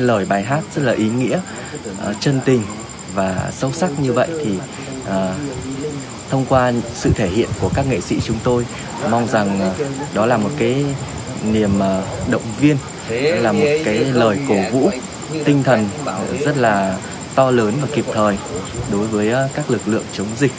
lời bài hát rất là ý nghĩa chân tình và sâu sắc như vậy thì thông qua sự thể hiện của các nghệ sĩ chúng tôi mong rằng đó là một cái niềm động viên là một cái lời cổ vũ tinh thần rất là to lớn và kịp thời đối với các lực lượng chống dịch